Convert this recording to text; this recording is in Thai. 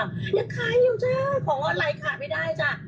ยังขายอยู่จ้าของอะไรขายไม่ได้จ้ะ